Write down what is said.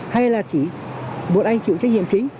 hay là chỉ một anh chịu trách nhiệm chính